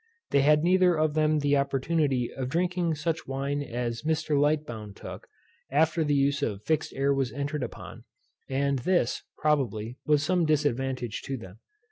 They had neither of them the opportunity of drinking such wine as Mr. Lightbowne took, after the use of fixed air was entered upon; and this, probably, was some disadvantage to them.